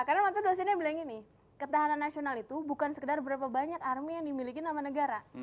karena waktu itu doa sini yang bilang gini ketahanan nasional itu bukan sekedar berapa banyak army yang dimiliki nama negara